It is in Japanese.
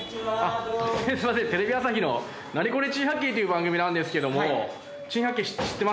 テレビ朝日の『ナニコレ珍百景』という番組なんですけども。